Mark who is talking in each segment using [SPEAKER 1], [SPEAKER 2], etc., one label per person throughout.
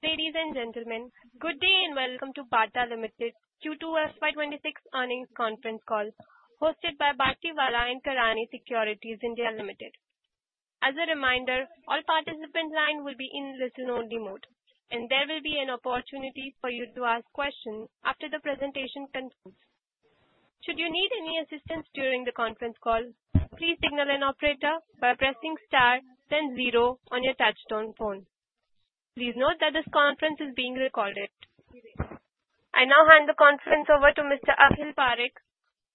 [SPEAKER 1] Ladies and gentlemen, good day and welcome to Bata India Limited Q2 FY25 earnings conference call, hosted by Batlivala and Karani Securities India Limited. As a reminder, all participants' lines will be in listen-only mode, and there will be an opportunity for you to ask questions after the presentation concludes. Should you need any assistance during the conference call, please signal an operator by pressing star, then zero on your touch-tone phone. Please note that this conference is being recorded. I now hand the conference over to Mr. Akhil Parekh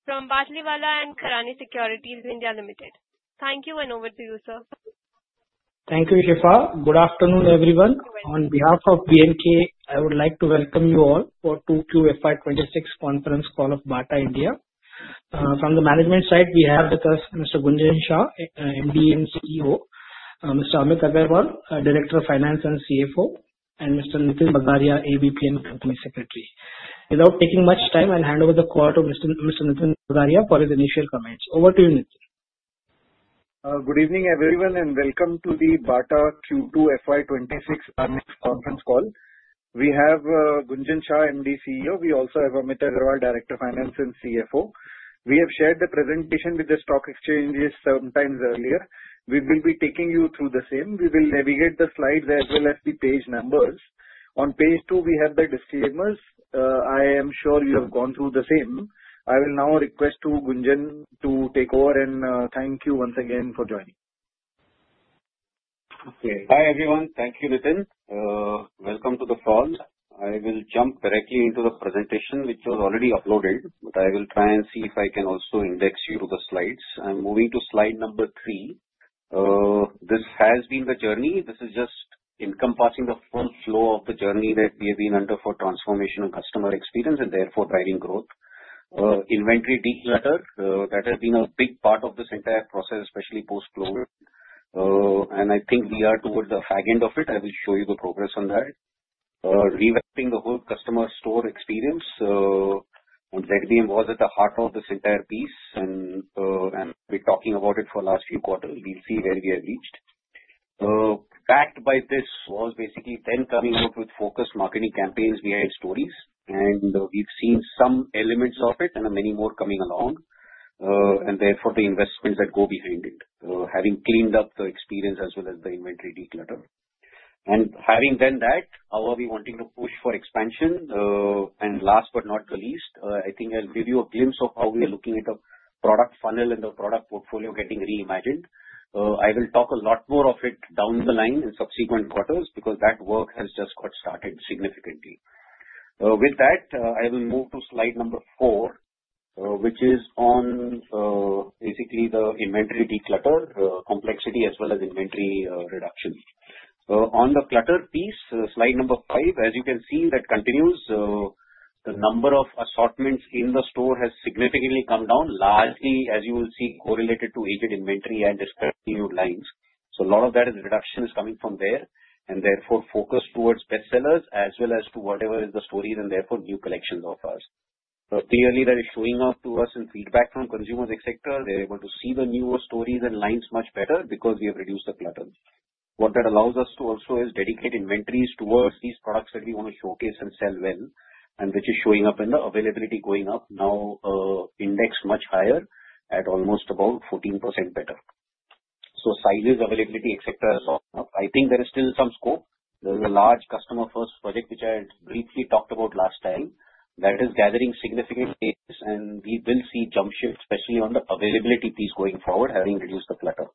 [SPEAKER 1] from Batlivala and Karani Securities India Limited. Thank you, and over to you, sir.
[SPEAKER 2] Thank you, Shifa. Good afternoon, everyone. On behalf of B&K, I would like to welcome you all for the Q2 FY26 conference call of Bata India. From the management side, we have with us Mr. Gunjan Shah, MD and CEO, Mr. Amit Agarwal, Director of Finance and CFO, and Mr. Nitin Bagaria, AVP and Company Secretary. Without taking much time, I'll hand over the call to Mr. Nitin Bagaria for his initial comments. Over to you, Nitin.
[SPEAKER 3] Good evening, everyone, and welcome to the Bata Q2 FY26 earnings conference call. We have Gunjan Shah, MD, CEO. We also have Amit Agarwal, Director of Finance and CFO. We have shared the presentation with the stock exchanges some time earlier. We will be taking you through the same. We will navigate the slides as well as the page numbers. On page two, we have the disclaimers. I am sure you have gone through the same. I will now request Gunjan to take over, and thank you once again for joining.
[SPEAKER 4] Okay. Hi, everyone. Thank you, Nitin. Welcome to the call. I will jump directly into the presentation, which was already uploaded, but I will try and see if I can also index you to the slides. I'm moving to slide number three. This has been the journey. This is just encompassing the full flow of the journey that we have been under for transformational customer experience and therefore driving growth. Inventory declutter, that has been a big part of this entire process, especially post-COVID, and I think we are towards the fag end of it. I will show you the progress on that. Revamping the whole customer store experience. ZBM was at the heart of this entire piece, and we're talking about it for the last few quarters. We'll see where we have reached. Backed by this was basically then coming out with focused marketing campaigns behind stories, and we've seen some elements of it and many more coming along, and therefore the investments that go behind it, having cleaned up the experience as well as the inventory declutter. Having done that, how are we wanting to push for expansion? Last but not the least, I think I'll give you a glimpse of how we are looking at the product funnel and the product portfolio getting reimagined. I will talk a lot more of it down the line in subsequent quarters because that work has just got started significantly. With that, I will move to slide number four, which is on basically the inventory declutter, complexity, as well as inventory reduction. On the clutter piece, slide number five, as you can see, that continues. The number of assortments in the store has significantly come down, largely, as you will see, correlated to aged inventory and discontinued lines. So a lot of that reduction is coming from there, and therefore focused towards bestsellers as well as to whatever is the stories and therefore new collections of ours. Clearly, that is showing up to us in feedback from consumers etc. They're able to see the newer stories and lines much better because we have reduced the clutter. What that allows us to also is dedicate inventories towards these products that we want to showcase and sell well, and which is showing up in the availability going up now indexed much higher at almost about 14% better. So sizes, availability, etc. I think there is still some scope. There's a large customer-first project, which I briefly talked about last time, that is gathering significant cases, and we will see jump shift, especially on the availability piece going forward, having reduced the clutter.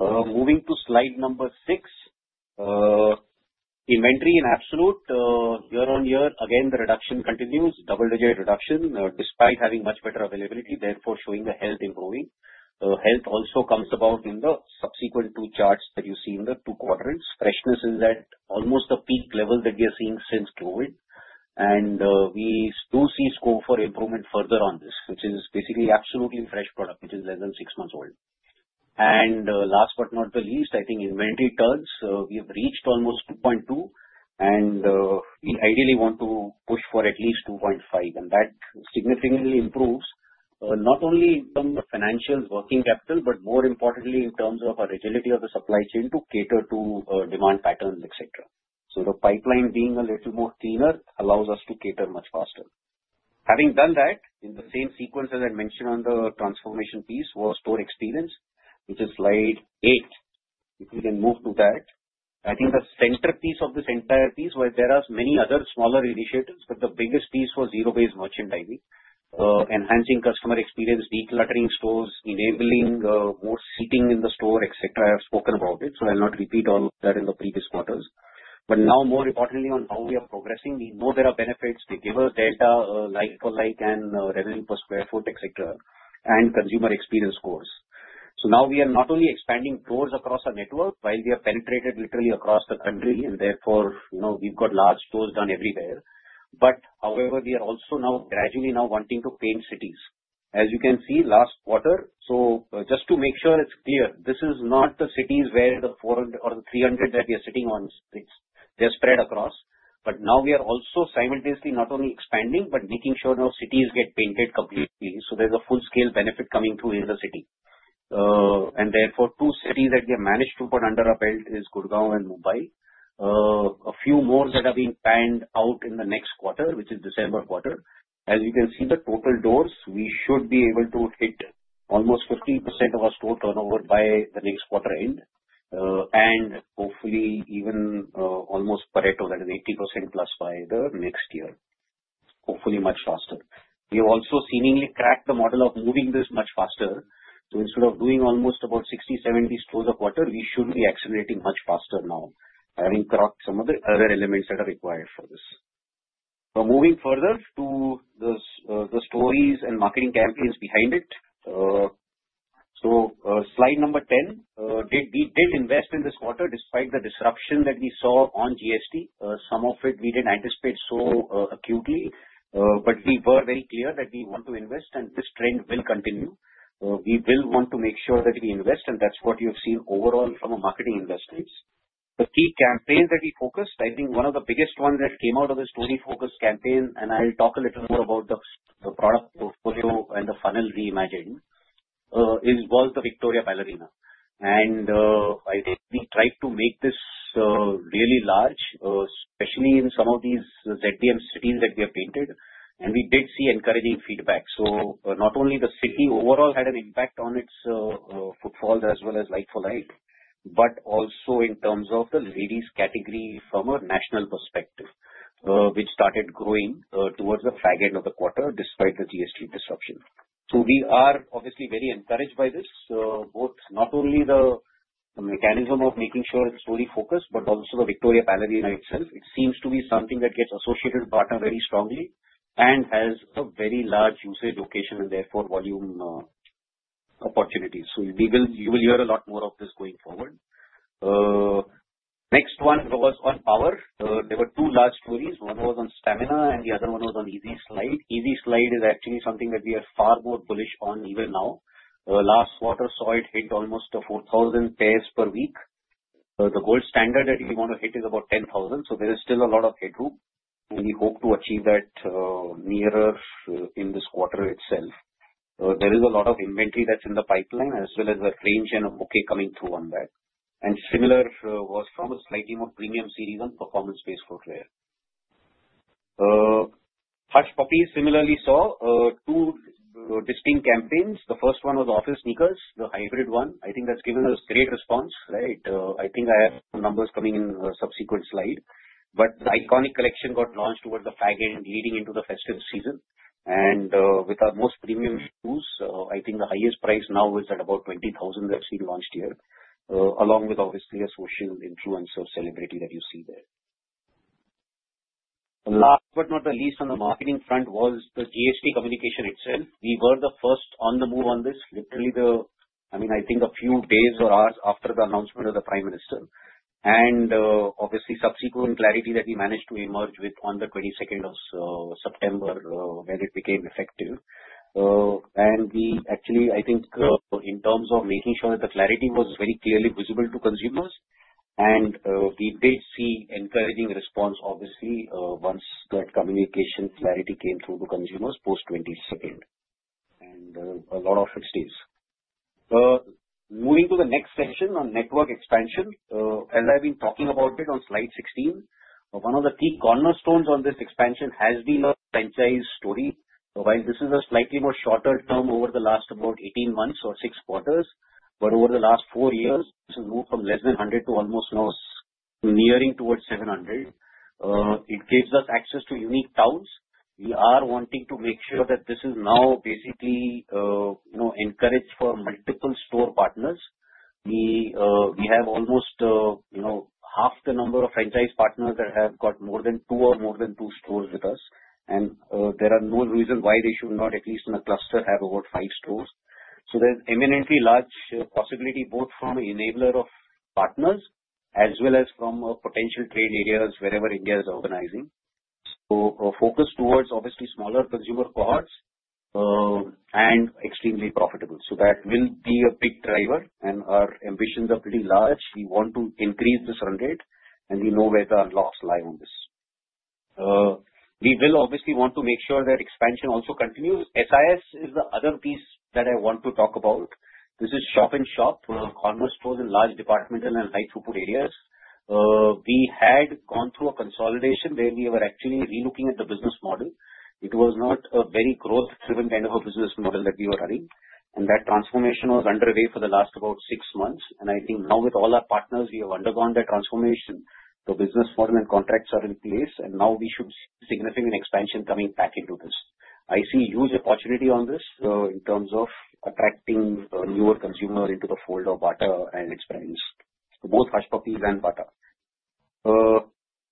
[SPEAKER 4] Moving to slide number six, inventory in absolute year on year. Again, the reduction continues, double-digit reduction despite having much better availability, therefore showing the health improving. Health also comes about in the subsequent two charts that you see in the two quadrants. Freshness is at almost the peak level that we are seeing since COVID, and we do see scope for improvement further on this, which is basically absolutely fresh product, which is less than six months old. And last but not the least, I think inventory turns. We have reached almost 2.2, and we ideally want to push for at least 2.5, and that significantly improves not only in terms of financials, working capital, but more importantly, in terms of our agility of the supply chain to cater to demand patterns, etc. So the pipeline being a little more cleaner allows us to cater much faster. Having done that, in the same sequence as I mentioned on the transformation piece was store experience, which is slide eight. If we can move to that, I think the centerpiece of this entire piece, where there are many other smaller initiatives, but the biggest piece was zero-based merchandising, enhancing customer experience, decluttering stores, enabling more seating in the store, etc. I have spoken about it, so I'll not repeat all of that in the previous quarters. But now, more importantly, on how we are progressing, we know there are benefits. We give a delta like-for-like and revenue per sq ft, etc., and consumer experience scores. So now we are not only expanding stores across our network, while we have penetrated literally across the country, and therefore we've got large stores done everywhere. But however, we are also now gradually wanting to paint cities. As you can see, last quarter, so just to make sure it's clear, this is not the cities where the 400 or the 300 that we are sitting on, they're spread across. But now we are also simultaneously not only expanding, but making sure no cities get painted completely. So there's a full-scale benefit coming through in the city. And therefore, two cities that we have managed to put under our belt are Gurgaon and Mumbai. A few more that are being panned out in the next quarter, which is December quarter. As you can see, the total doors, we should be able to hit almost 15% of our store turnover by the next quarter end, and hopefully even almost Pareto, that is 80% plus by the next year, hopefully much faster. We have also seemingly cracked the model of moving this much faster, so instead of doing almost about 60-70 stores a quarter, we should be accelerating much faster now, having cracked some of the other elements that are required for this. Moving further to the stores and marketing campaigns behind it, so slide number 10, we did invest in this quarter despite the disruption that we saw on GST. Some of it we didn't anticipate so acutely, but we were very clear that we want to invest, and this trend will continue. We will want to make sure that we invest, and that's what you have seen overall from our marketing investments. The key campaigns that we focused, I think one of the biggest ones that came out of this story-focused campaign, and I'll talk a little more about the product portfolio and the funnel reimagined, was the Victoria Ballerina. And we tried to make this really large, especially in some of these ZBM cities that we have painted, and we did see encouraging feedback. So not only the category overall had an impact on its footfall as well as like-for-like, but also in terms of the ladies' category from a national perspective, which started growing towards the fag end of the quarter despite the GST disruption. So we are obviously very encouraged by this, both not only the mechanism of making sure it's fully focused, but also the Victoria Ballerina itself. It seems to be something that gets associated with Bata very strongly and has a very large usage location and therefore volume opportunities. So you will hear a lot more of this going forward. Next one was on Power. There were two large stories. One was on Stamina, and the other one was on Easy Slide. Easy Slide is actually something that we are far more bullish on even now. Last quarter, so it hit almost 4,000 pairs per week. The gold standard that we want to hit is about 10,000, so there is still a lot of headroom, and we hope to achieve that nearer in this quarter itself. There is a lot of inventory that's in the pipeline as well as a range and a bouquet coming through on that. And similar was from a slightly more premium series and performance-based footwear. Hush Puppies similarly saw two distinct campaigns. The first one was Office Sneakers, the hybrid one. I think that's given us great response, right? I think I have some numbers coming in subsequent slide. But the iconic collection got launched towards the tail end leading into the festive season. And with our most premium shoes, I think the highest price now is at about 20,000 that's been launched here, along with obviously a social influencer celebrity that you see there. Last but not the least on the marketing front was the GST communication itself. We were the first on the move on this, literally the, I mean, I think a few days or hours after the announcement of the Prime Minister. And obviously, subsequent clarity that we managed to emerge with on the 22nd of September when it became effective. We actually, I think in terms of making sure that the clarity was very clearly visible to consumers, and we did see encouraging response, obviously, once that communication clarity came through to consumers post-22nd, and a lot of it stays. Moving to the next section on network expansion, as I've been talking about it on slide 16, one of the key cornerstones on this expansion has been a franchise store. While this is a slightly more shorter term over the last about 18 months or six quarters, but over the last four years, this has moved from less than 100 to almost nearing towards 700. It gives us access to unique towns. We are wanting to make sure that this is now basically encouraged for multiple store partners. We have almost half the number of franchise partners that have got more than two stores with us, and there's no reason why they should not, at least in a cluster, have over five stores, so there's immense possibility both from an enabler of partners as well as from potential trade areas wherever in India is underserved. Focus towards obviously smaller consumer cohorts and extremely profitable, so that will be a big driver, and our ambitions are pretty large. We want to increase this run rate, and we know where the losses lie on this. We will obviously want to make sure that expansion also continues. SIS is the other piece that I want to talk about. This is shop in shop, commercial stores in large departmental and high-throughput areas. We had gone through a consolidation where we were actually relooking at the business model. It was not a very growth-driven kind of a business model that we were running, and that transformation was underway for the last about six months. And I think now with all our partners, we have undergone that transformation. The business model and contracts are in place, and now we should see significant expansion coming back into this. I see huge opportunity on this in terms of attracting newer consumers into the fold of Bata and its brands, both Hush Puppies and Bata.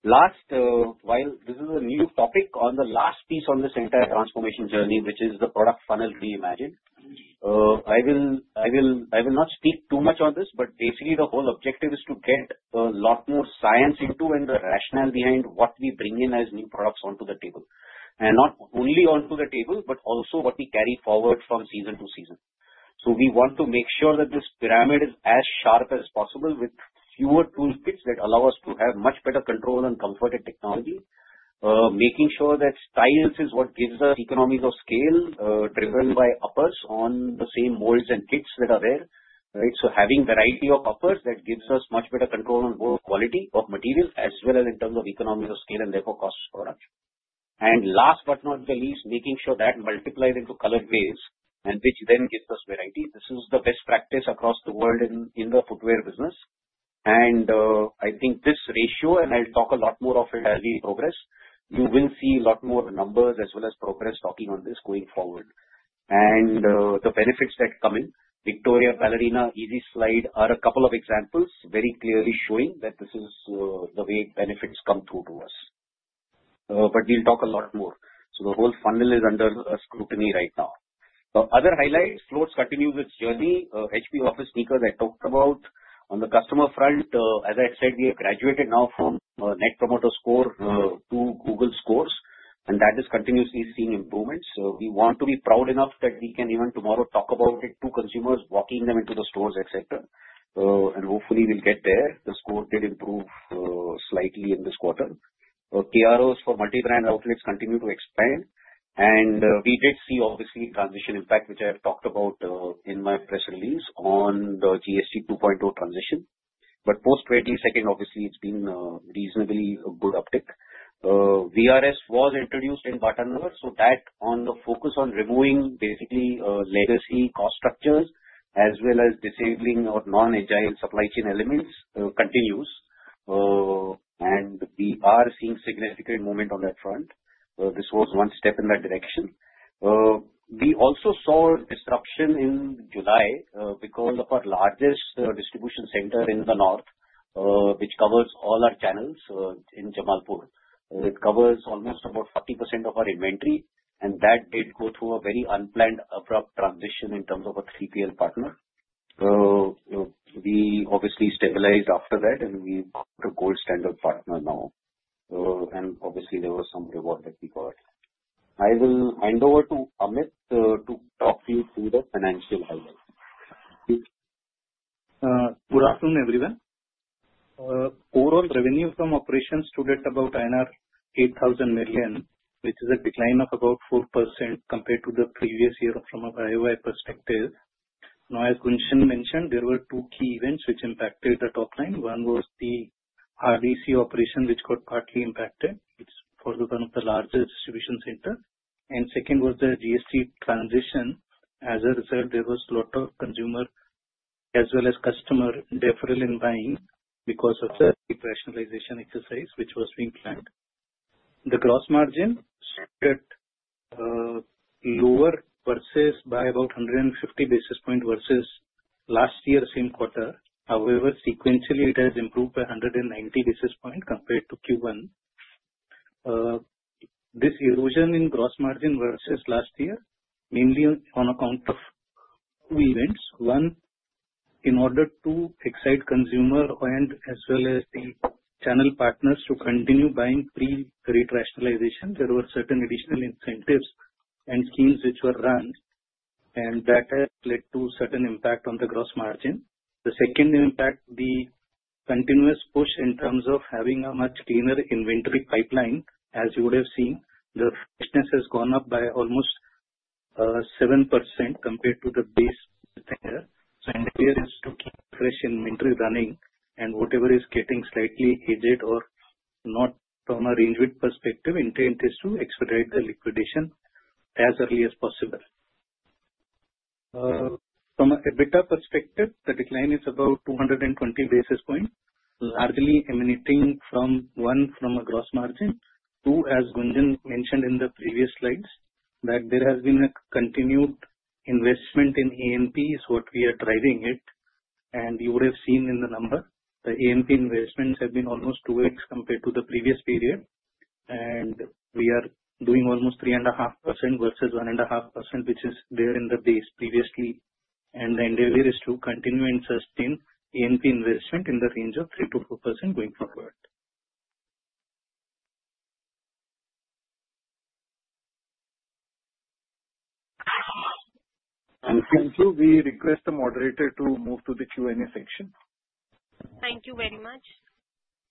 [SPEAKER 4] Last, while this is a new topic on the last piece on this entire transformation journey, which is the product funnel reimagined, I will not speak too much on this, but basically the whole objective is to get a lot more science into and the rationale behind what we bring in as new products onto the table, and not only onto the table, but also what we carry forward from season to season. So we want to make sure that this pyramid is as sharp as possible with fewer toolkits that allow us to have much better control and comfort in technology, making sure that styles is what gives us economies of scale driven by uppers on the same molds and kits that are there, right? So, having variety of uppers that gives us much better control on both quality of material as well as in terms of economies of scale and therefore costs product. And last but not the least, making sure that multiplied into colored waves, which then gives us variety. This is the best practice across the world in the footwear business. And I think this ratio, and I'll talk a lot more of it as we progress, you will see a lot more numbers as well as progress talking on this going forward. And the benefits that come in, Victoria Ballerina, Easy Slide, are a couple of examples very clearly showing that this is the way benefits come through to us. But we'll talk a lot more. So the whole funnel is under scrutiny right now. The other highlight, Floatz continue its journey. Hush Puppies Office Sneakers I talked about. On the customer front, as I said, we have graduated now from Net Promoter Score to Google scores, and that is continuously seeing improvements. We want to be proud enough that we can even tomorrow talk about it to consumers, walking them into the stores, etc., and hopefully we'll get there. The score did improve slightly in this quarter. KROs for multi-brand outlets continue to expand, and we did see obviously transition impact, which I have talked about in my press release on the GST 2.0 transition, but post-22nd, obviously it's been reasonably a good uptick. VRS was introduced in Bata North, so that on the focus on removing basically legacy cost structures as well as disabling or non-agile supply chain elements continues, and we are seeing significant movement on that front. This was one step in that direction. We also saw disruption in July because of our largest distribution center in the north, which covers all our channels in Jamalpur. It covers almost about 40% of our inventory, and that did go through a very unplanned abrupt transition in terms of a 3PL partner. We obviously stabilized after that, and we've got a gold standard partner now. And obviously, there was some reward that we got. I will hand over to Amit to talk to you through the financial highlights.
[SPEAKER 5] Good afternoon, everyone. Overall revenue from operations stood at about INR 8,000 million, which is a decline of about 4% compared to the previous year from a buying perspective. Now, as Gunjan mentioned, there were two key events which impacted the top line. One was the RDC operation, which got partly impacted, which was one of the largest distribution centers. And second was the GST transition. As a result, there was a lot of consumer as well as customer deferral in buying because of the operationalization exercise, which was being planned. The gross margin stood lower by about 150 basis points versus last year's same quarter. However, sequentially, it has improved by 190 basis points compared to Q1. This erosion in gross margin versus last year, mainly on account of two events. One, in order to excite consumer and as well as the channel partners to continue buying pre-rate rationalization, there were certain additional incentives and schemes which were run, and that has led to a certain impact on the gross margin. The second impact, the continuous push in terms of having a much cleaner inventory pipeline, as you would have seen, the freshness has gone up by almost 7% compared to the base there. So the idea is to keep fresh inventory running, and whatever is getting slightly aged or not from a range-width perspective, intent is to expedite the liquidation as early as possible. From an EBITDA perspective, the decline is about 220 basis points, largely emanating from, one, from a gross margin. Two, as Gunjan mentioned in the previous slides, that there has been a continued investment in A&P is what we are driving it. And you would have seen in the number, the A&P investments have been almost two weeks compared to the previous period, and we are doing almost 3.5% versus 1.5%, which is there in the base previously. And the end of year is to continue and sustain A&P investment in the range of 3%-4% going forward.
[SPEAKER 4] Thank you. We request the moderator to move to the Q&A section.
[SPEAKER 1] Thank you very much.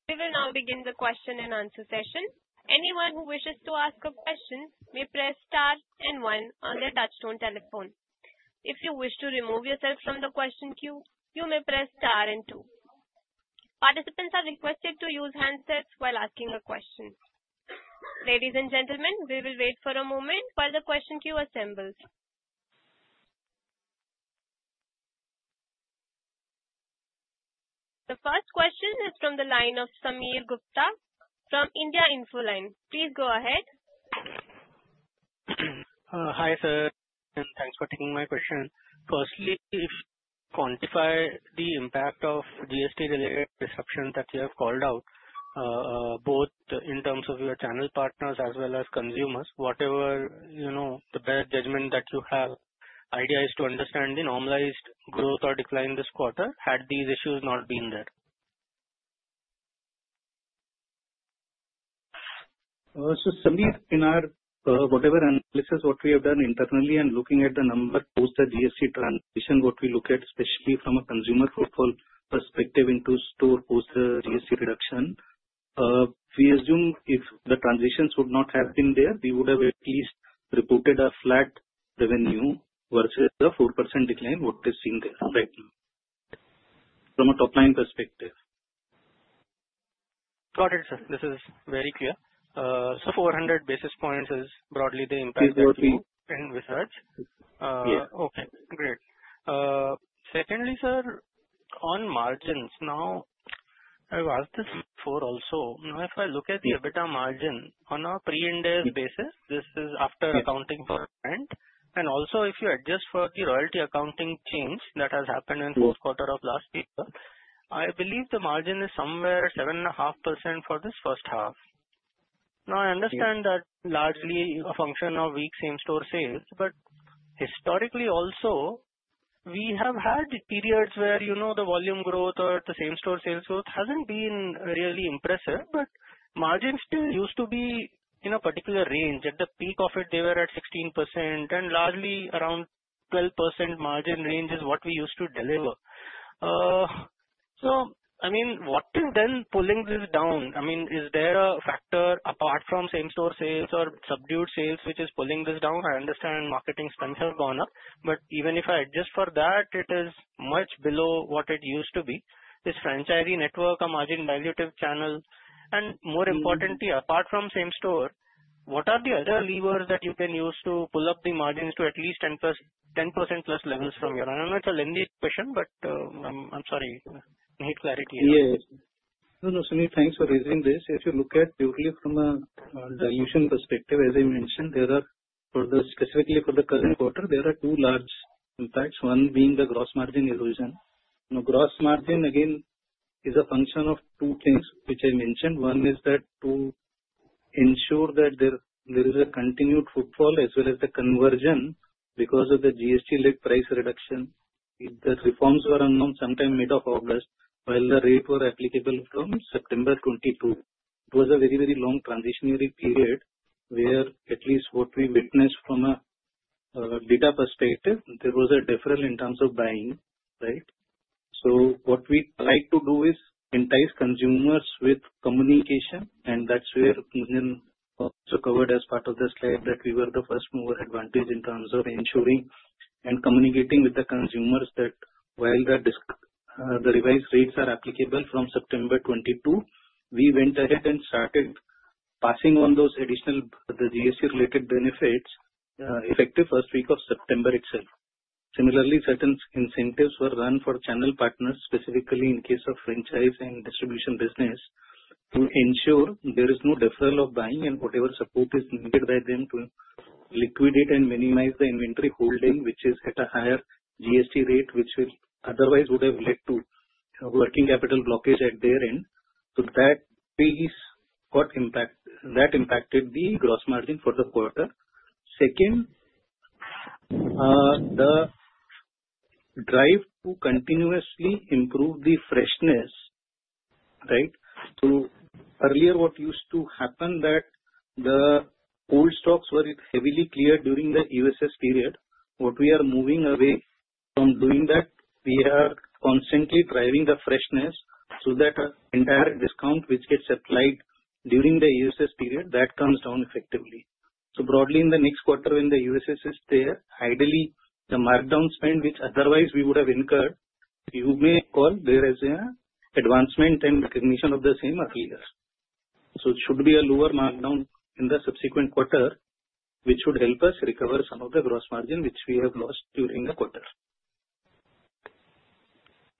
[SPEAKER 1] We will now begin the question and answer session. Anyone who wishes to ask a question may press star and one on their touch-tone telephone. If you wish to remove yourself from the question queue, you may press star and two. Participants are requested to use handsets while asking a question. Ladies and gentlemen, we will wait for a moment while the question queue assembles. The first question is from the line of Sameer Gupta from India Infoline. Please go ahead.
[SPEAKER 6] Hi sir, and thanks for taking my question. Firstly, if you quantify the impact of GST-related disruption that you have called out, both in terms of your channel partners as well as consumers, whatever the best judgment that you have, the idea is to understand the normalized growth or decline this quarter had these issues not been there.
[SPEAKER 4] So, Sameer, in our whatever analysis, what we have done internally and looking at the number post the GST transition, what we look at, especially from a consumer footfall perspective into store, post the GST reduction, we assume if the transitions would not have been there, we would have at least reported a flat revenue versus a 4% decline what we're seeing right now from a top-line perspective.
[SPEAKER 6] Got it, sir. This is very clear. So 400 basis points is broadly the impact of the research. Yeah. Okay, great. Secondly, sir, on margins, now I've asked this before also. Now, if I look at the EBITDA margin on a pre-index basis, this is after accounting for rent. And also, if you adjust for the royalty accounting change that has happened in the fourth quarter of last year, I believe the margin is somewhere 7.5% for this first half. Now, I understand that largely a function of weak same-store sales, but historically also, we have had periods where the volume growth or the same-store sales growth hasn't been really impressive, but margins still used to be in a particular range. At the peak of it, they were at 16%, and largely around 12% margin range is what we used to deliver. So, I mean, what is then pulling this down? I mean, is there a factor apart from same-store sales or subdued sales which is pulling this down? I understand marketing spend has gone up, but even if I adjust for that, it is much below what it used to be. This franchisee network, a margin dilutive channel, and more importantly, apart from same-store, what are the other levers that you can use to pull up the margins to at least 10% plus levels from here?I know it's a lengthy question, but I'm sorry, I need clarity.
[SPEAKER 5] Yes. No, no, Sunil, thanks for raising this. If you look at purely from a dilution perspective, as I mentioned, there are, specifically for the current quarter, there are two large impacts, one being the gross margin erosion. Now, gross margin, again, is a function of two things which I mentioned. One is that to ensure that there is a continued footfall as well as the conversion because of the GST-led price reduction. The reforms were announced sometime mid-August while the rate was applicable from September 22. It was a very, very long transitionary period where at least what we witnessed from a data perspective, there was a deferral in terms of buying, right? So what we tried to do is entice consumers with communication, and that's where Gunjan also covered as part of the slide that we were the first mover advantage in terms of ensuring and communicating with the consumers that while the revised rates are applicable from September 22, we went ahead and started passing on those additional GST-related benefits effective first week of September itself. Similarly, certain incentives were run for channel partners, specifically in case of franchise and distribution business, to ensure there is no deferral of buying and whatever support is needed by them to liquidate and minimize the inventory holding, which is at a higher GST rate, which otherwise would have led to working capital blockage at their end. So that piece got impacted. That impacted the gross margin for the quarter. Second, the drive to continuously improve the freshness, right? So earlier, what used to happen [is] that the old stocks were heavily cleared during the EOSS period. What we are moving away from [is] doing that. We are constantly driving the freshness so that [the] entire discount, which gets applied during the EOSS period, that comes down effectively. So broadly, in the next quarter, when the EOSS is there, ideally, the markdown spend, which otherwise we would have incurred, you may call [that] as an advancement and recognition of the same earlier. So it should be a lower markdown in the subsequent quarter, which should help us recover some of the gross margin which we have lost during the quarter.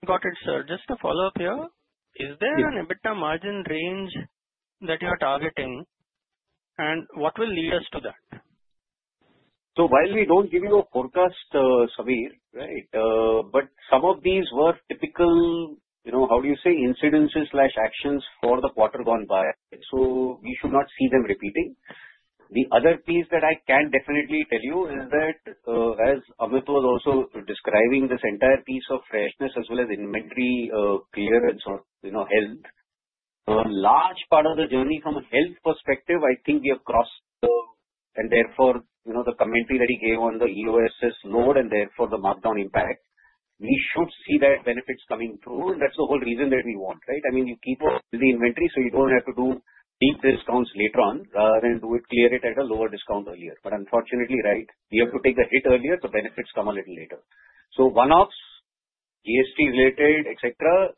[SPEAKER 6] Got it, sir. Just to follow up here, is there an EBITDA margin range that you are targeting, and what will lead us to that?
[SPEAKER 4] So while we don't give you a forecast, Sameer, right, but some of these were typical, how do you say, incidences/actions for the quarter gone by, so we should not see them repeating. The other piece that I can definitely tell you is that, as Amit was also describing, this entire piece of freshness as well as inventory clearance or health, a large part of the journey from a health perspective, I think we have crossed the, and therefore, the commentary that he gave on the EOSS load and therefore the markdown impact, we should see that benefits coming through, and that's the whole reason that we want, right? I mean, you keep up with the inventory so you don't have to do deep discounts later on rather than do it, clear it at a lower discount earlier. But unfortunately, right, we have to take the hit earlier, the benefits come a little later. So one-offs, GST-related, etc.,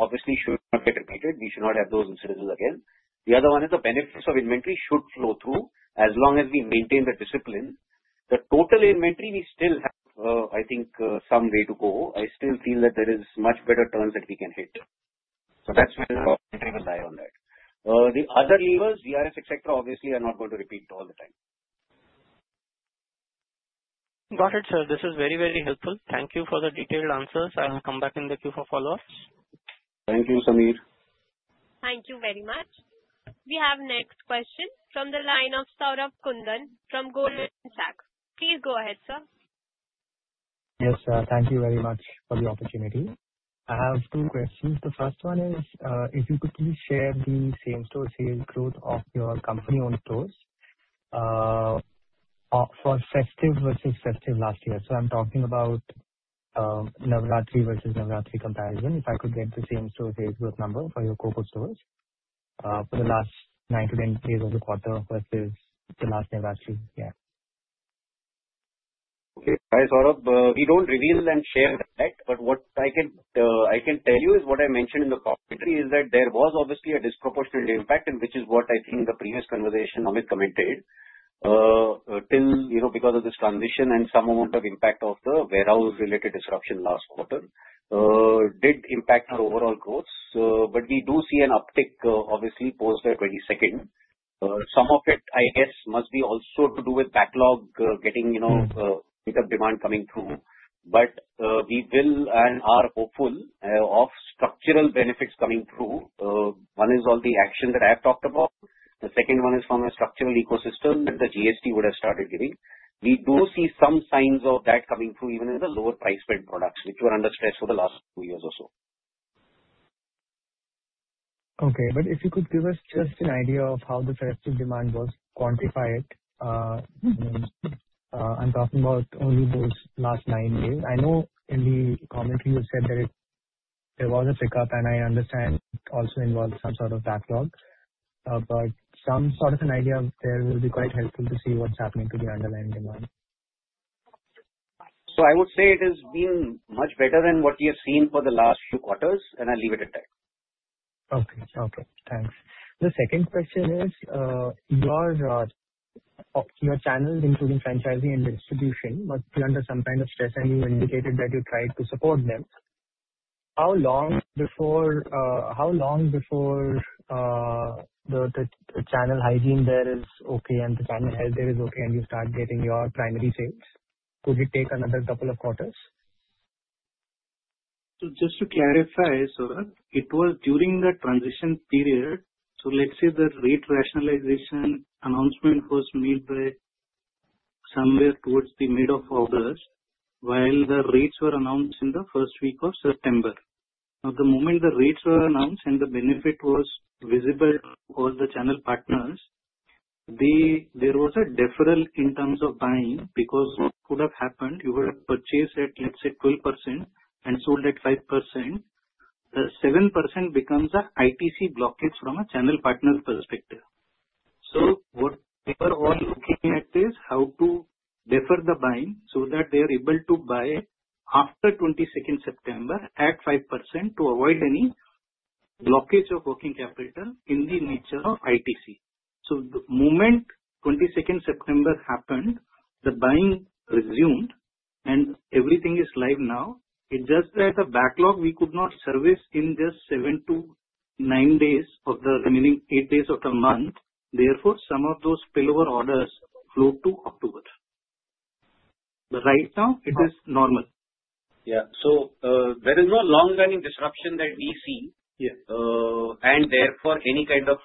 [SPEAKER 4] obviously should not get repeated. We should not have those incidents again. The other one is the benefits of inventory should flow through as long as we maintain the discipline. The total inventory, we still have, I think, some way to go. I still feel that there are much better turns that we can hit. So that's where the inventory will lie on that. The other levers, VRS, etc., obviously are not going to repeat all the time.
[SPEAKER 6] Got it, sir. This is very, very helpful. Thank you for the detailed answers. I will come back in the queue for follow-ups.
[SPEAKER 4] Thank you, Sameer.
[SPEAKER 1] Thank you very much. We have next question from the line of Saurabh Kundan from Goldman Sachs. Please go ahead, sir.
[SPEAKER 7] Yes, sir. Thank you very much for the opportunity. I have two questions. The first one is, if you could please share the same-store sales growth of your company-owned stores for festive versus festive last year. So I'm talking about Navratri versus Navratri comparison, if I could get the same-store sales growth number for your COCO stores for the last nine to 10 days of the quarter versus the last Navratri. Yeah.
[SPEAKER 4] Okay. Hi, Saurabh. We don't reveal and share that, but what I can tell you is what I mentioned in the commentary is that there was obviously a disproportionate impact, which is what I think the previous conversation Amit commented till because of this transition and some amount of impact of the warehouse-related disruption last quarter did impact our overall growth. But we do see an uptick, obviously, post the 22nd. Some of it, I guess, must be also to do with backlog, getting pickup demand coming through. But we will and are hopeful of structural benefits coming through. One is all the action that I have talked about. The second one is from a structural ecosystem that the GST would have started giving. We do see some signs of that coming through even in the lower price point products, which were under stress for the last two years or so.
[SPEAKER 7] Okay, but if you could give us just an idea of how the festive demand was quantified, I'm talking about only those last nine days. I know in the commentary you said that there was a pickup, and I understand it also involved some sort of backlog. But some sort of an idea there will be quite helpful to see what's happening to the underlying demand.
[SPEAKER 4] So I would say it has been much better than what we have seen for the last few quarters, and I'll leave it at that.
[SPEAKER 7] Okay, okay. Thanks. The second question is, your channels, including franchising and distribution, must be under some kind of stress, and you indicated that you tried to support them. How long before the channel hygiene there is okay and the channel health there is okay and you start getting your primary sales? Could it take another couple of quarters?
[SPEAKER 5] So just to clarify, Saurabh, it was during the transition period. So let's say the rate rationalization announcement was made somewhere towards the mid-August while the rates were announced in the first week of September.Now, the moment the rates were announced and the benefit was visible for the channel partners, there was a deferral in terms of buying because what could have happened, you would have purchased at, let's say, 12% and sold at 5%. The 7% becomes an ITC blockage from a channel partner perspective. So what we were all looking at is how to defer the buying so that they are able to buy after 22 September at 5% to avoid any blockage of working capital in the nature of ITC. So the moment 22 September happened, the buying resumed, and everything is live now. It's just that the backlog we could not service in just seven to nine days of the remaining eight days of the month. Therefore, some of those spillover orders flowed to October. But right now, it is normal. Yeah.
[SPEAKER 4] So there is no long-running disruption that we see, and therefore, any kind of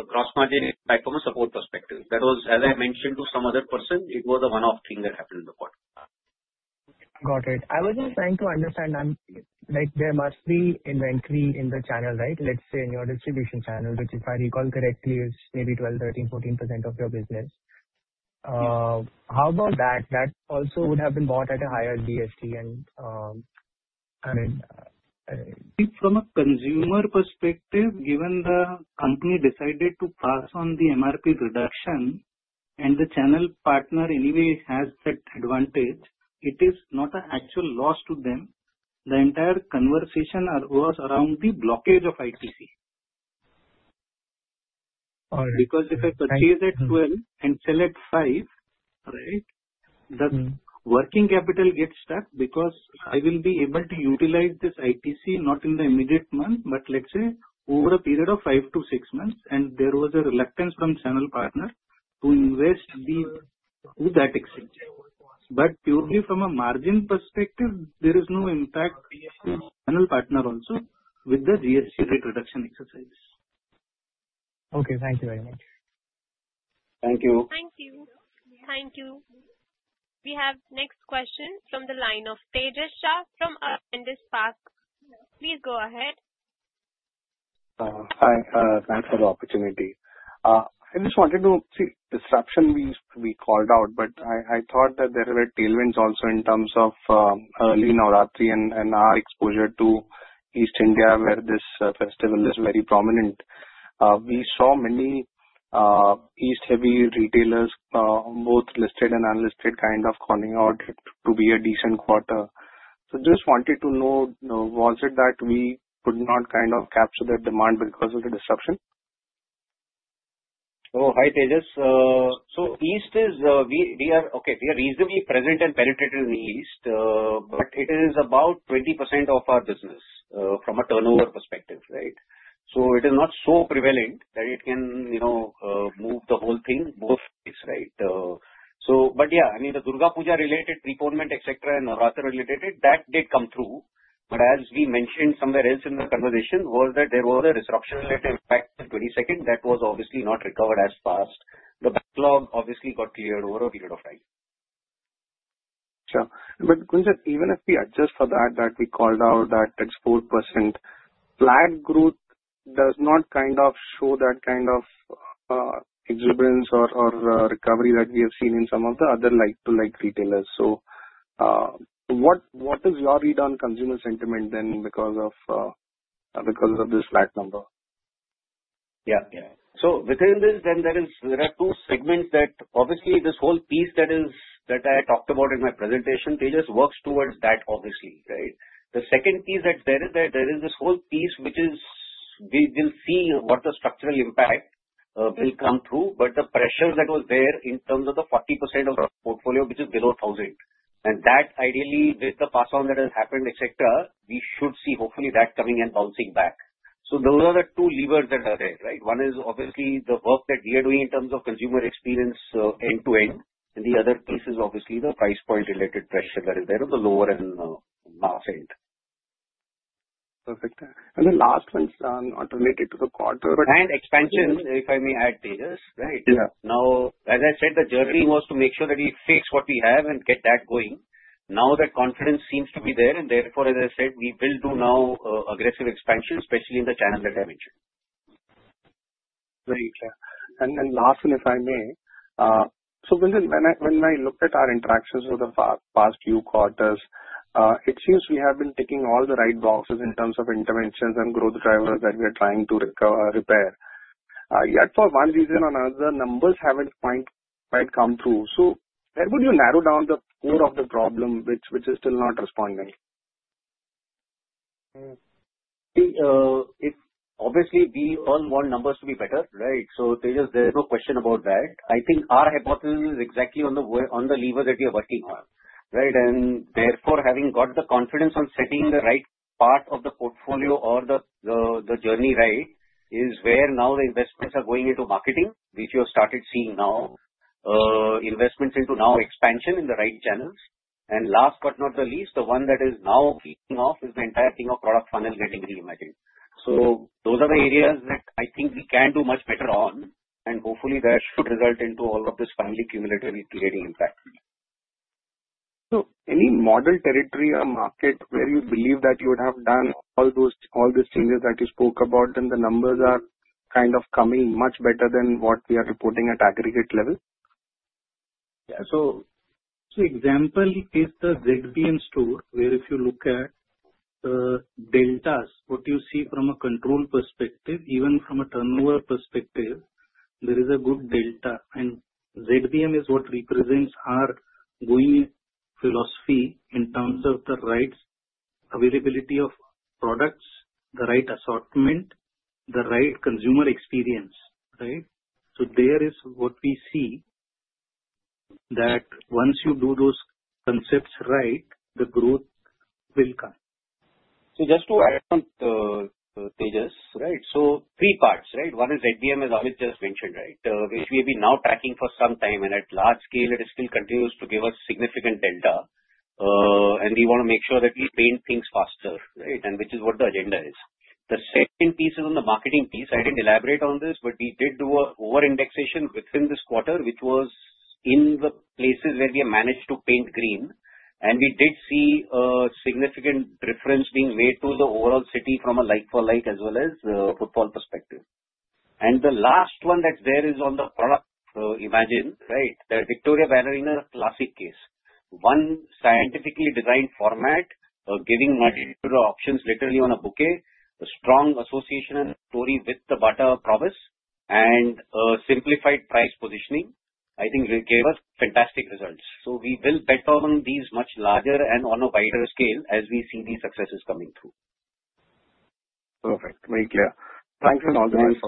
[SPEAKER 4] a gross margin impact from a support perspective. That was, as I mentioned to some other person, it was a one-off thing that happened in the quarter.
[SPEAKER 7] Got it. I was just trying to understand, there must be inventory in the channel, right? Let's say in your distribution channel, which, if I recall correctly, is maybe 12%, 13%, 14% of your business. How about that? That also would have been bought at a higher GST, and I mean.
[SPEAKER 5] From a consumer perspective, given the company decided to pass on the MRP reduction and the channel partner anyway has that advantage, it is not an actual loss to them. The entire conversation was around the blockage of ITC.Because if I purchase at 12 and sell at 5, right, the working capital gets stuck because I will be able to utilize this ITC not in the immediate month, but let's say over a period of five to six months, and there was a reluctance from channel partner to invest with that exchange. But purely from a margin perspective, there is no impact to channel partner also with the GST rate reduction exercises.
[SPEAKER 7] Okay. Thank you very much.
[SPEAKER 4] Thank you. Thank you.
[SPEAKER 1] Thank you. We have next question from the line of Tejas Shah from Avendus Spark. Please go ahead.
[SPEAKER 8] Hi. Thanks for the opportunity. I just wanted to see the disruption we called out, but I thought that there were tailwinds also in terms of early Navratri and our exposure to East India where this festival is very prominent. We saw many East-heavy retailers, both listed and unlisted, kind of calling out to be a decent quarter. So just wanted to know, was it that we could not kind of capture the demand because of the disruption?
[SPEAKER 4] Oh, hi, Tejas. So East is, okay, we are reasonably present and penetrated in the East, but it is about 20% of our business from a turnover perspective, right? So it is not so prevalent that it can move the whole thing both ways, right? But yeah, I mean, the Durga Puja-related preponement, etc., and Navratri-related, that did come through. But as we mentioned somewhere else in the conversation, was that there was a disruption-related impact on the 22nd that was obviously not recovered as fast. The backlog obviously got cleared over a period of time.
[SPEAKER 8] Sure.But Gunjan, even if we adjust for that, that we called out that 4% flat growth does not kind of show that kind of exuberance or recovery that we have seen in some of the other like-for-like retailers. So what is your read on consumer sentiment then because of this flat number?
[SPEAKER 4] Yeah. So within this, then there are two segments that obviously this whole piece that I talked about in my presentation, Tejas, works towards that, obviously, right? The second piece that there is, there is this whole piece which is we will see what the structural impact will come through, but the pressure that was there in terms of the 40% of portfolio, which is below 1,000. And that ideally, with the pass-on that has happened, etc., we should see hopefully that coming and bouncing back. So those are the two levers that are there, right? One is obviously the work that we are doing in terms of consumer experience end-to-end, and the other piece is obviously the price point-related pressure that is there on the lower and mass end.
[SPEAKER 8] Perfect. And the last one is not related to the quarter,
[SPEAKER 4] but and expansion, if I may add, Tejas, right? Now, as I said, the journey was to make sure that we fix what we have and get that going. Now that confidence seems to be there, and therefore, as I said, we will do now aggressive expansion, especially in the channel that I mentioned.
[SPEAKER 8] Right. And last one, if I may. So Gunjan, when I looked at our interactions over the past few quarters, it seems we have been ticking all the right boxes in terms of interventions and growth drivers that we are trying to repair. Yet for one reason or another, numbers haven't quite come through. So where would you narrow down the core of the problem which is still not responding?
[SPEAKER 4] Obviously, we all want numbers to be better, right? So there's no question about that. I think our hypothesis is exactly on the lever that we are working on, right? And therefore, having got the confidence on setting the right part of the portfolio or the journey right is where now the investments are going into marketing, which you have started seeing now, investments into now expansion in the right channels. And last but not the least, the one that is now kicking off is the entire thing of product funnel getting reimagined. So those are the areas that I think we can do much better on, and hopefully, that should result into all of this finally cumulatively creating impact.
[SPEAKER 9] So any model territory or market where you believe that you would have done all these changes that you spoke about, and the numbers are kind of coming much better than what we are reporting at aggregate level? Yeah. So example is the ZBM store where if you look at the deltas, what you see from a control perspective, even from a turnover perspective, there is a good delta. And ZBM is what represents our going philosophy in terms of the right availability of products, the right assortment, the right consumer experience, right? So there is what we see that once you do those concepts right, the growth will come.
[SPEAKER 4] So just to add on, Tejas, right? So three parts, right? One is ZBM, as Amit just mentioned, right, which we have been now tracking for some time. And at large scale, it still continues to give us significant delta. And we want to make sure that we paint things faster, right? And which is what the agenda is. The second piece is on the marketing piece. I didn't elaborate on this, but we did do an over-indexation within this quarter, which was in the places where we have managed to paint green. And we did see a significant difference being made to the overall city from a like-for-like as well as the footfall perspective. And the last one that's there is on the product innovation, right? The Victoria Ballerina is a classic case. One scientifically designed format of giving much options literally on a budget, a strong association and story with the Bata promise, and simplified price positioning, I think gave us fantastic results. So we will bet on these much larger and on a wider scale as we see these successes coming through.
[SPEAKER 8] Perfect. Very clear.
[SPEAKER 4] Thanks for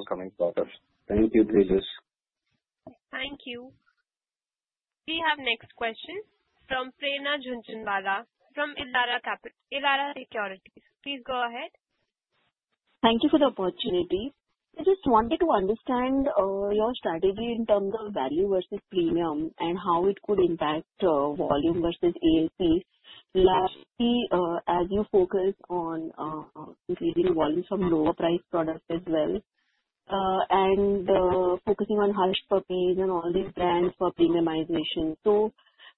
[SPEAKER 4] coming, Saurabh. Thank you, Tejas. Thank you.
[SPEAKER 1] We have next question from Prerna Jhunjhunwala from Elara Capital. Please go ahead.
[SPEAKER 10] Thank you for the opportunity. I just wanted to understand your strategy in terms of value versus premium and how it could impact volume versus ASPs last year as you focused on increasing volume from lower-priced products as well and focusing on Hush Puppies and all these brands for premiumization. So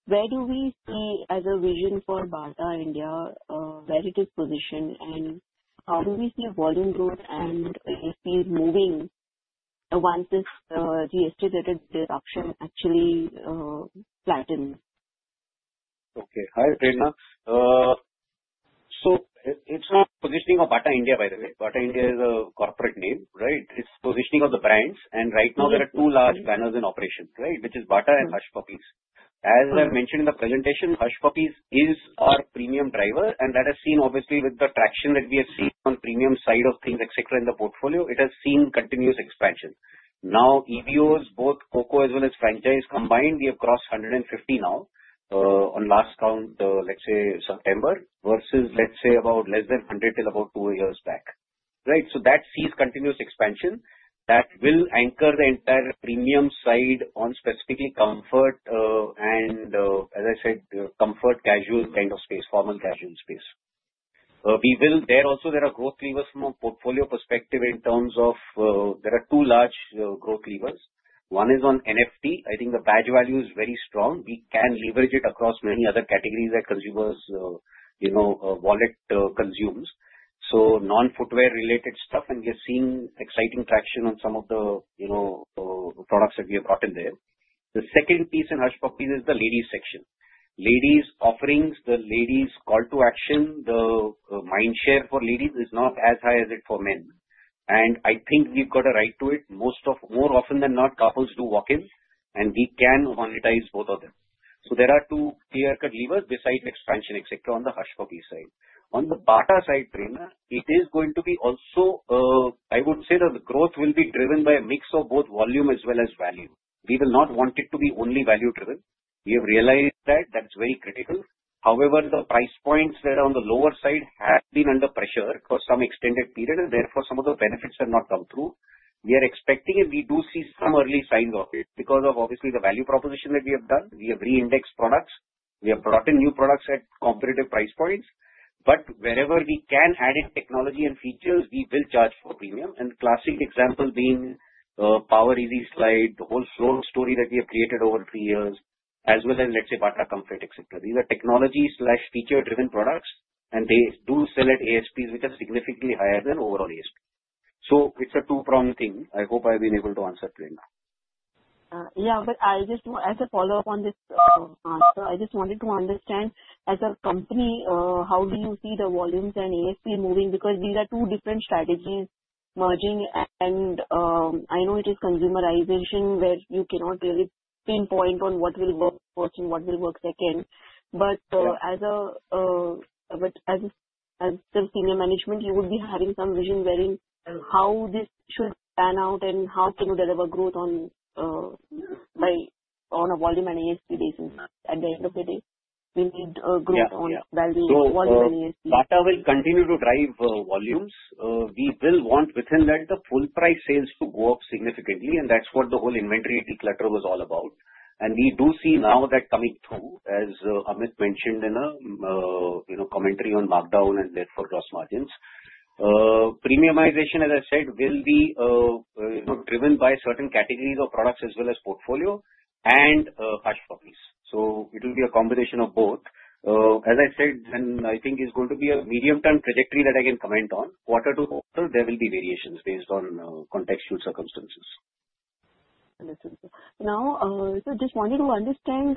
[SPEAKER 10] where do we see as a vision for Bata India, where it is positioned, and how do we see volume growth and ASPs moving once this GST-related disruption actually flattened?
[SPEAKER 4] Okay. Hi, Prerna. So it's not positioning of Bata India, by the way. Bata India is a corporate name, right? It's positioning of the brands. And right now, there are two large banners in operation, right, which are Bata and Hush Puppies.As I mentioned in the presentation, Hush Puppies is our premium driver. And that has seen, obviously, with the traction that we have seen on the premium side of things, etc., in the portfolio, it has seen continuous expansion. Now, EBOs, both COCO as well as franchise combined, we have crossed 150 now on last count, let's say, September versus, let's say, about less than 100 till about two years back, right? So that sees continuous expansion that will anchor the entire premium side on specifically comfort and, as I said, comfort casual kind of space, formal casual space. There also, there are growth levers from a portfolio perspective in terms of there are two large growth levers. One is on NFR. I think the badge value is very strong. We can leverage it across many other categories that consumers' wallet consumes. So non-footwear-related stuff, and we are seeing exciting traction on some of the products that we have gotten there. The second piece in Hush Puppies is the ladies' section. Ladies' offerings, the ladies' call-to-action, the mind share for ladies is not as high as it is for men. And I think we've got a right to it. More often than not, couples do walk in, and we can monetize both of them. So there are two clear-cut levers besides expansion, etc., on the Hush Puppies side. On the Bata side, Prerna, it is going to be also, I would say that the growth will be driven by a mix of both volume as well as value. We will not want it to be only value-driven. We have realized that that's very critical. However, the price points that are on the lower side have been under pressure for some extended period, and therefore, some of the benefits have not come through. We are expecting, and we do see some early signs of it because of, obviously, the value proposition that we have done. We have re-indexed products. We have brought in new products at competitive price points. But wherever we can add in technology and features, we will charge for premium, and classic example being Power Easy Slide, the whole slow story that we have created over three years, as well as, let's say, Bata Comfort, etc. These are technology/feature-driven products, and they do sell at ASPs, which are significantly higher than overall ASP, so it's a two-pronged thing. I hope I've been able to answer, Prerna.
[SPEAKER 10] Yeah, but I just want to, as a follow-up on this answer, I just wanted to understand, as a company, how do you see the volumes and ASP moving? Because these are two different strategies merging, and I know it is consumerization where you cannot really pinpoint on what will work first and what will work second. But as a senior management, you would be having some vision wherein how this should pan out and how can you deliver growth on a volume and ASP basis. At the end of the day, we need a growth on volume and ASP.
[SPEAKER 4] Bata will continue to drive volumes. We will want within that the full-price sales to go up significantly, and that's what the whole inventory declutter was all about. And we do see now that coming through, as Amit mentioned in a commentary on markdown and therefore gross margins. Premiumization, as I said, will be driven by certain categories of products as well as portfolio and Hush Puppies. So it will be a combination of both. As I said, and I think it's going to be a medium-term trajectory that I can comment on. Quarter to quarter, there will be variations based on contextual circumstances.
[SPEAKER 10] Understood. Now, so just wanted to understand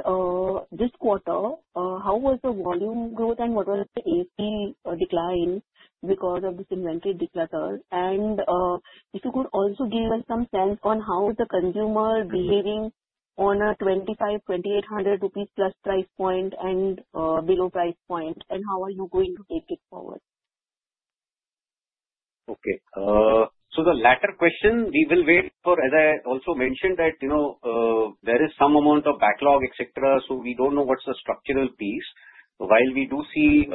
[SPEAKER 10] this quarter, how was the volume growth and what was the ASP decline because of this inventory declutter? And if you could also give us some sense on how is the consumer behaving on a 2,500-2,800 rupees plus price point and below price point, and how are you going to take it forward?
[SPEAKER 4] Okay. So the latter question, we will wait for, as I also mentioned, that there is some amount of backlog, etc. So we don't know what's the structural piece. While we do see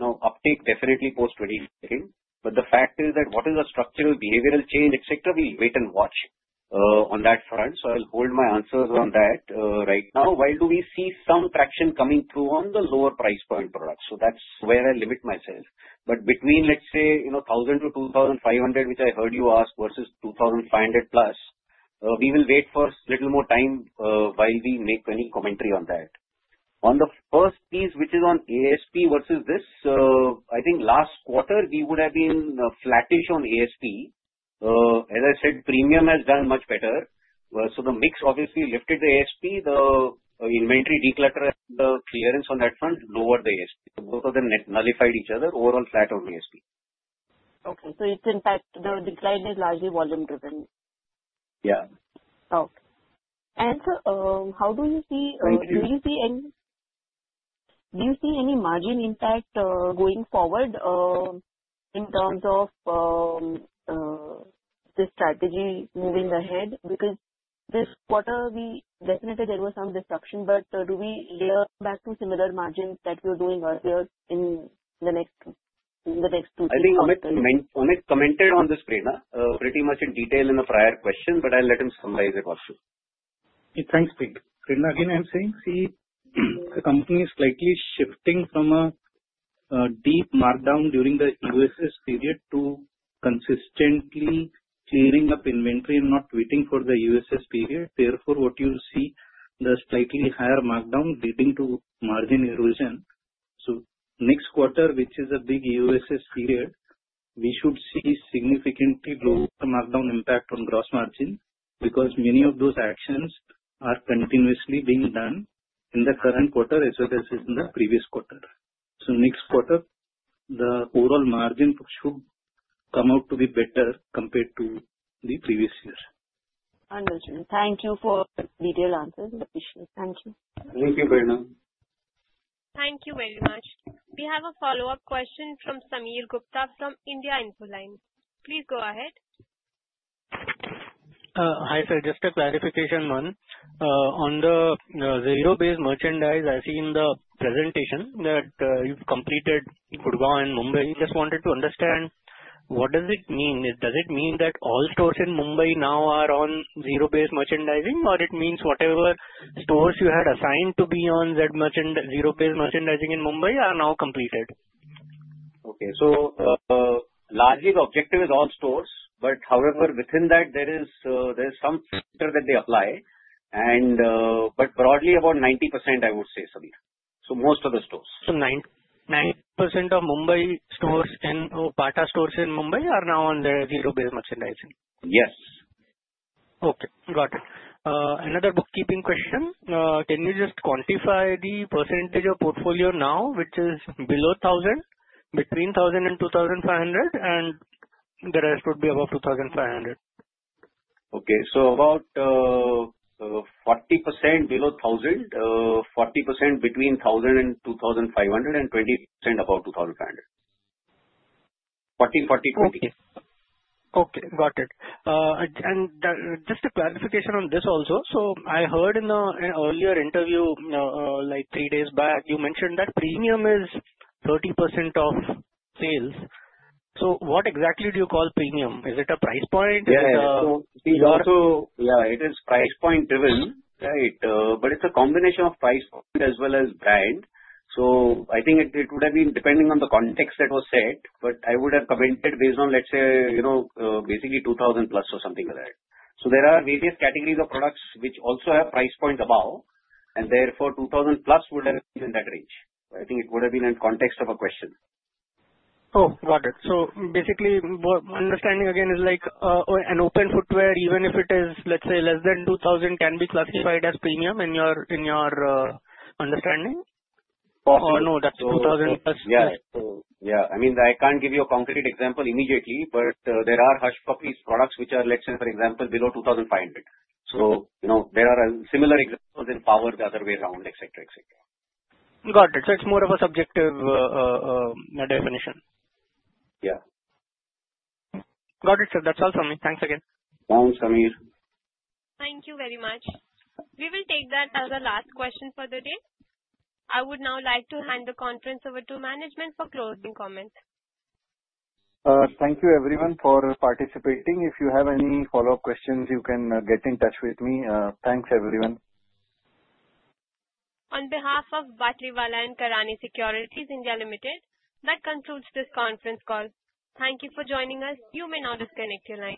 [SPEAKER 4] uptake, definitely post-2020, but the fact is that what is the structural behavioral change, etc., we wait and watch on that front. So I'll hold my answers on that right now. Will we see some traction coming through on the lower price point products? So that's where I limit myself. But between, let's say, 1,000-2,500, which I heard you ask versus 2,500 plus, we will wait for a little more time while we make any commentary on that. On the first piece, which is on ASP versus this, I think last quarter, we would have been flattish on ASP. As I said, premium has done much better. So the mix obviously lifted the ASP. The inventory declutter and the clearance on that front lowered the ASP. So both of them nullified each other. Overall, flat on ASP.
[SPEAKER 10] Okay.So, its impact, the decline, is largely volume-driven. Yeah. Okay. And how do you see? Do you see any margin impact going forward in terms of this strategy moving ahead? Because this quarter, definitely, there was some disruption, but do we get back to similar margins that you're doing earlier in the next two years?
[SPEAKER 4] I think Amit commented on this, Prerna, pretty much in detail in the prior question, but I'll let him summarize it also.
[SPEAKER 5] Thanks, Prerna. Again, I'm saying, see, the company is slightly shifting from a deep markdown during the EOSS period to consistently clearing up inventory and not waiting for the EOSS period. Therefore, what you see, the slightly higher markdown leading to margin erosion. So next quarter, which is a big EOSS period, we should see significantly lower markdown impact on gross margin because many of those actions are continuously being done in the current quarter as well as in the previous quarter. So next quarter, the overall margin should come out to be better compared to the previous year.
[SPEAKER 10] Understood. Thank you for detailed answers. Thank you.
[SPEAKER 5] Thank you, Prerna.
[SPEAKER 1] Thank you very much. We have a follow-up question from Sameer Gupta from IIFL Securities. Please go ahead.
[SPEAKER 6] Hi, sir. Just a clarification one. On the zero-based merchandising, I see in the presentation that you've completed in Gurgaon and Mumbai. Just wanted to understand what does it mean? Does it mean that all stores in Mumbai now are on zero-based merchandising, or it means whatever stores you had assigned to be on zero-based merchandising in Mumbai are now completed? Okay.
[SPEAKER 4] So largely, the objective is all stores, but however, within that, there is some factor that they apply. But broadly, about 90%, I would say, Sameer. So most of the stores.
[SPEAKER 6] So 90% of Mumbai stores and Bata stores in Mumbai are now on the zero-based merchandising?
[SPEAKER 4] Yes. Okay.
[SPEAKER 6] Got it. Another bookkeeping question. Can you just quantify the percentage of portfolio now, which is below 1,000, between 1,000 and 2,500, and the rest would be about 2,500?
[SPEAKER 4] Okay. So about 40% below 1,000, 40% between 1,000 and 2,500, and 20% above 2,500. 40, 40, 20. Okay.
[SPEAKER 6] Okay. Got it. And just a clarification on this also. So I heard in an earlier interview, like three days back, you mentioned that premium is 30% of sales. So what exactly do you call premium? Is it a price point?
[SPEAKER 4] Yeah. So it is price point-driven, right? But it's a combination of price point as well as brand. So I think it would have been depending on the context that was said, but I would have commented based on, let's say, basically 2,000 plus or something like that. So there are various categories of products which also have price points above, and therefore, 2,000 plus would have been in that range. I think it would have been in context of a question.
[SPEAKER 6] Oh, got it. So basically, understanding again is like an open footwear, even if it is, let's say, less than 2,000, can be classified as premium in your understanding? Or no, that's 2,000 plus?
[SPEAKER 4] Yeah. So yeah. I mean, I can't give you a concrete example immediately, but there are Hush Puppies products which are, let's say, for example, below 2,500. So there are similar examples in Power the other way around, etc., etc.
[SPEAKER 6] Got it. So it's more of a subjective definition.
[SPEAKER 4] Yeah.
[SPEAKER 6] Got it, sir. That's all from me. Thanks again.
[SPEAKER 4] Thanks, Sameer.
[SPEAKER 1] Thank you very much. We will take that as a last question for the day. I would now like to hand the conference over to management for closing comments.
[SPEAKER 4] Thank you, everyone, for participating. If you have any follow-up questions, you can get in touch with me. Thanks, everyone.
[SPEAKER 1] On behalf of Batlivala & Karani Securities India Limited, that concludes this conference call. Thank you for joining us. You may now disconnect your line.